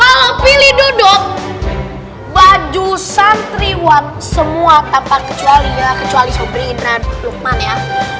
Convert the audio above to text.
kalau pilih duduk baju santriwan semua tanpa kecuali sobri dan lukman ya